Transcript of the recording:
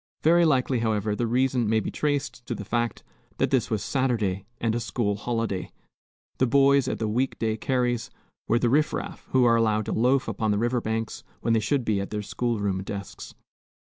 Very likely, however, the reason may be traced to the fact that this was Saturday, and a school holiday. The boys at the week day carries were the riff raff, who are allowed to loaf upon the river banks when they should be at their school room desks.